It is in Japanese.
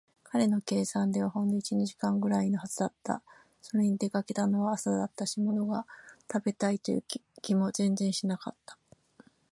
彼の計算ではほんの一、二時間ぐらいのはずだった。それに、出かけたのは朝だったし、ものが食べたいという気も全然しなかった。